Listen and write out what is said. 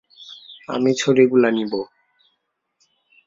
আমি ছড়িগুলো নিবো।